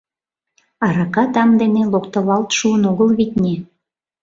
Арака там дене локтылалт шуын огыл, витне.